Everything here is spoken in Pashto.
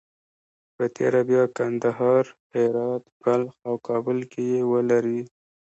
په تېره بیا کندهار، هرات، بلخ او کابل کې یې ولري.